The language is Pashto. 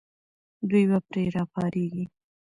دوی به پرې راپارېږي.